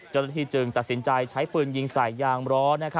เจ้าหน้าที่จึงตัดสินใจใช้ปืนยิงใส่ยางร้อน